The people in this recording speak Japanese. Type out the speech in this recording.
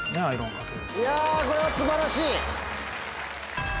いやこれは素晴らしい。